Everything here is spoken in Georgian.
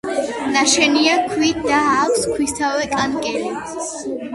ნაშენია ქვით და აქვს ქვისავე კანკელი.